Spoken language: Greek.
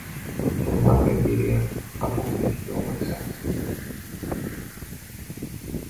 Τον Μάγκα, Κυρία, αποκρίθηκε ο αμαξάς